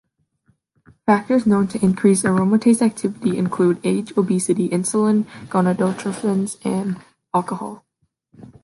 Factors known to increase aromatase activity include age, obesity, insulin, gonadotropins, and alcohol.